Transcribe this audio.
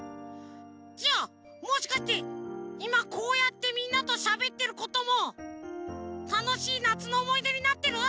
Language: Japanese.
じゃあもしかしていまこうやってみんなとしゃべってることもたのしいなつのおもいでになってる？